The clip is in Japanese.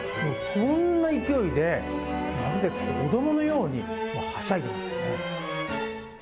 そんな勢いで、まるで子どものようにはしゃいでいましたね。